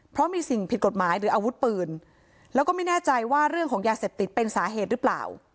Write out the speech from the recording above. เพราะมีสิ่งผิดกฎหมายหรืออาวุธปืนแล้วก็ไม่แน่ใจว่าเรื่องของยาเสพติดเป็นสาเหตุหรือเปล่า